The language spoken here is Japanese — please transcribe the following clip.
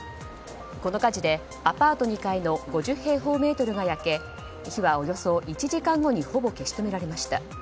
この火事でアパート２階の５０平方メートルが焼け火はおよそ１時間後にほぼ消し止められました。